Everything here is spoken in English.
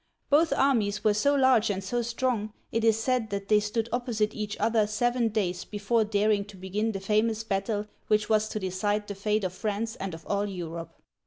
Both armies were so large and so strong, it is said, that they stood opposite each other seven days before daring to begin the famous battle which was to decide the fate of France and of all Europe.